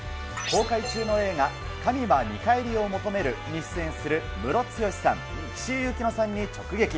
公開中の映画、神は見返りを求めるに出演するムロツヨシさん、岸井ゆきのさんに直撃。